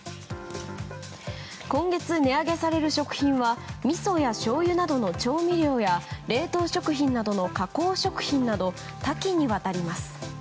今月値上げされる食品はみそや、しょうゆなどの調味料や冷凍食品などの加工食品など多岐にわたります。